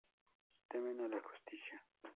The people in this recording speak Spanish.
Temen a la justicia.